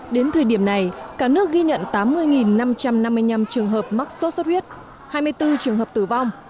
đến thời điểm này cả nước ghi nhận tám mươi năm trăm năm mươi năm trường hợp mắc sốt xuất huyết hai mươi bốn trường hợp tử vong